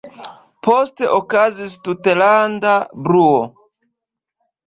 Poste okazis tutlanda bruo.